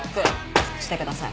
してください。